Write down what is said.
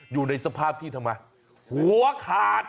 อยู่ในสภาพที่ทำไมหัวขาด